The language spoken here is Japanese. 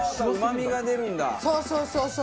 そうそうそうそう！